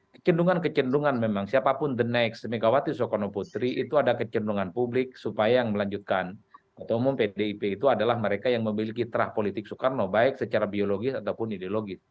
kecendungan kecenderungan memang siapapun the next megawati soekarno putri itu ada kecendungan publik supaya yang melanjutkan ketua umum pdip itu adalah mereka yang memiliki terah politik soekarno baik secara biologis ataupun ideologis